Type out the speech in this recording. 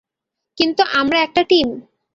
কিন্তু আমরা একটা টিম।